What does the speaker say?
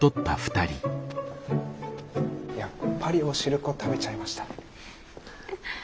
やっぱりお汁粉食べちゃいました。